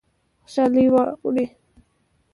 خوشحالي راوړو.